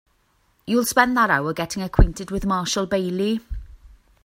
You will spend that hour getting acquainted with Marshall Bailey.